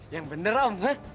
yang bener om